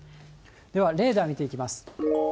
では、レーダー見ていきます。